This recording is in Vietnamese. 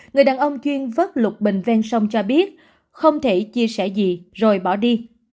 người đàn ông chuyên vớt lục bình ven sông cho biết không thể chia sẻ gì rồi bỏ đi